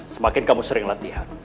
semakin kamu sering latihan